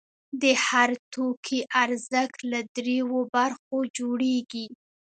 د هر توکي ارزښت له درېیو برخو جوړېږي